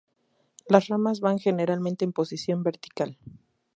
Las ramas van generalmente en posición vertical.